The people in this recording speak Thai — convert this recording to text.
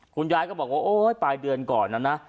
คุณยายก็บอกว่าโอ๊ยปลายเดือนก่อนนะนะ